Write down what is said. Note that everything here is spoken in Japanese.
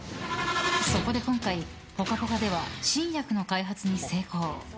そこで今回「ぽかぽか」では新薬の開発に成功。